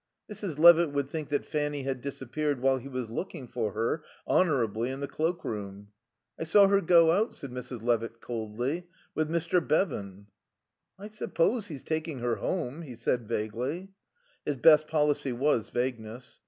Mrs. Levitt would think that Fanny had disappeared while he was looking for her, honourably, in the cloak room. "I saw her go out," said Mrs. Levitt coldly, "with Mr. Bevan." "I suppose he's taking her home," he said vaguely. His best policy was vagueness.